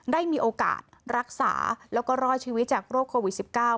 ได้มีโอกาสรักษาแล้วก็รอดชีวิตจากโรคโควิด๑๙